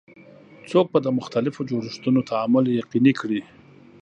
څوک به د مختلفو جوړښتونو تعامل یقیني کړي؟